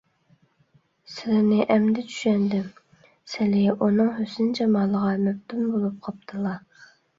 سىلىنى ئەمدى چۈشەندىم، سىلى ئۇنىڭ ھۆسن - جامالىغا مەپتۇن بولۇپ قاپتىلا.